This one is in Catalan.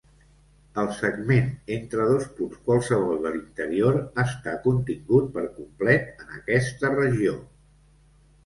El segment entre dos punts qualssevol de l'interior està contingut per complet en aquesta regió.